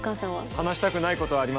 話したくないことはあります。